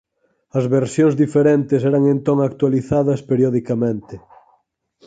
As versións diferentes eran entón actualizadas periodicamente.